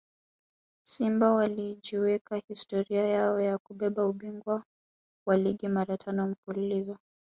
Simba walijiwekea historia yao ya kubeba ubingwa wa ligi mara tano mfululizo